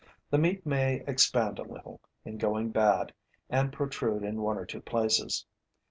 The meat may expand a little, in going bad, and protrude in one or two places.